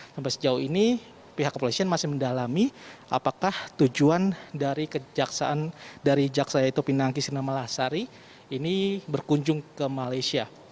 sampai sejauh ini pihak kepolisian masih mendalami apakah tujuan dari kejaksaan dari jaksa yaitu pinangki sina malasari ini berkunjung ke malaysia